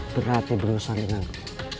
berarti berurusan dengan aku